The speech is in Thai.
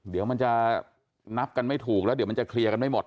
เดี๋ยวมันจะนับกันไม่ถูกแล้วเดี๋ยวมันจะเคลียร์กันไม่หมด